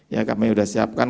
ya kami sudah siapkan